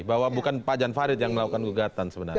bahwa bukan pak jan farid yang melakukan gugatan sebenarnya